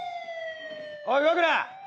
おい動くな。